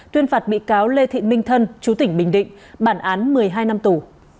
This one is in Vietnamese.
tuyên phạt bị cáo lê thị minh thân chú tỉnh bình định bản án một mươi hai năm tù